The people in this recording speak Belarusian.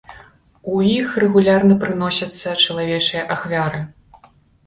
У іх рэгулярна прыносяцца чалавечыя ахвяры.